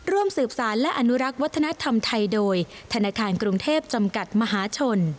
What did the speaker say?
ร่วมสืบสารและอนุรักษ์วัฒนธรรมไทยโดยธนาคารกรุงเทพจำกัดมหาชน